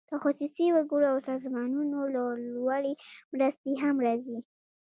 د خصوصي وګړو او سازمانونو له لوري مرستې هم راځي.